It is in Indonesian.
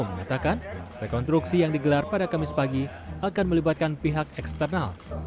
mengatakan rekonstruksi yang digelar pada kamis pagi akan melibatkan pihak eksternal